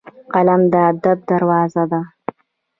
قلم د ادب دروازه ده